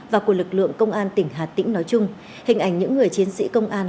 và của lực lượng công an tỉnh hà tĩnh nói chung hình ảnh những người chiến sĩ công an